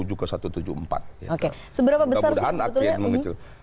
oke seberapa besar sih sebetulnya